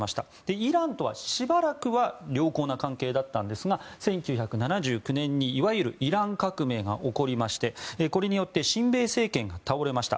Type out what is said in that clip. イランとはしばらくは良好な関係だったんですが１９７９年にいわゆるイラン革命が起きましてこれによって親米政権が倒れました。